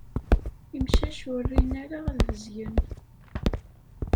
Imcac ur rin ara ad bezgen.